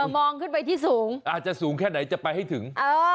มองขึ้นไปที่สูงอาจจะสูงแค่ไหนจะไปให้ถึง